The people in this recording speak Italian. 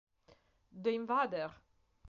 The Invader